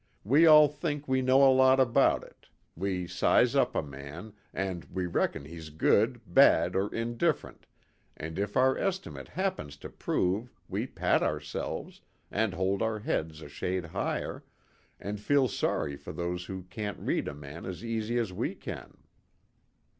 We all think we know a lot about it. We size up a man, and we reckon he's good, bad, or indifferent, and if our estimate happens to prove, we pat ourselves, and hold our heads a shade higher, and feel sorry for those who can't read a man as easy as we can."